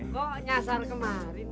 kok nyasar kemari